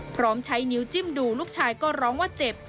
พร้อมใช้นิ้วจิ้มดูลูกชายก็ร้องว่าเจ็บ